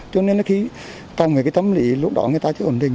cho nên là khi còn cái tâm lý lúc đó người ta chưa ổn định